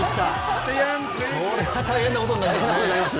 それは大変なことになりますね。